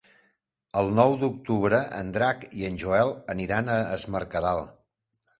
El nou d'octubre en Drac i en Joel aniran a Es Mercadal.